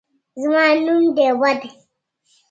زه نوم ډیوه دی